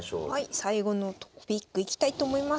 最後のとこいきたいと思います。